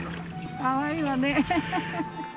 かわいいわね。